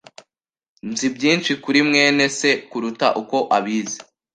Nzi byinshi kuri mwene se kuruta uko abizi.